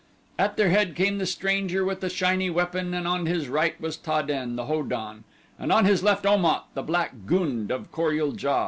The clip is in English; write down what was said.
At their head came the stranger with the shiny weapon and on his right was Ta den, the Ho don, and on his left Om at, the black gund of Kor ul JA.